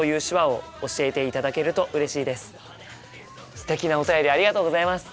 すてきなお便りありがとうございます。